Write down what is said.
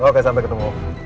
oke sampai ketemu